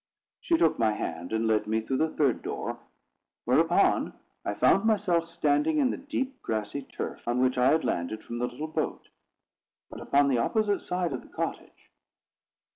She took my hand, and led me through the third door; whereupon I found myself standing in the deep grassy turf on which I had landed from the little boat, but upon the opposite side of the cottage.